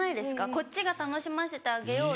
こっちが楽しませてあげようって。